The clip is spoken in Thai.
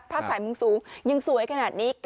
ภาพไขมงสูงยังสวยขนาดนี้